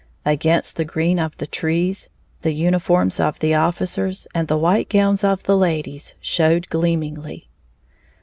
Against the green of the trees, the uniforms of the officers and the white gowns of the ladies showed gleamingly.